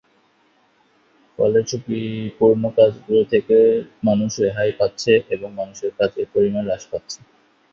ফলে ঝুকিপূর্ণ কাজগুলো থেকে মানুষ রেহাই পাচ্ছে এবং মানুষের কাজের পরিমাণ হ্রাস পাচ্ছে।